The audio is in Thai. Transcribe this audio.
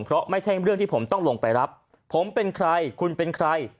เพราะไม่ใช่เรื่องที่ผมต้องลงไปรับผมเป็นใครคุณเป็นใคร